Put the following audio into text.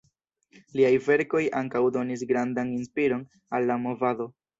Liaj verkoj ankaŭ donis grandan inspiron al la movado.